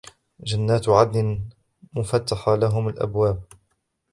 جَنَّاتِ عَدْنٍ مُفَتَّحَةً لَهُمُ الْأَبْوَابُ